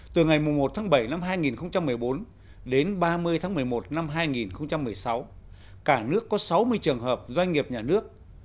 từ ngày một tháng bảy năm hai nghìn một mươi bốn đến ba mươi tháng một mươi một năm hai nghìn một mươi sáu cả nước có sáu mươi trường hợp doanh nghiệp nhà nước